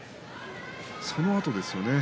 そのあとですよね